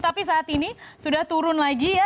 tapi saat ini sudah turun lagi ya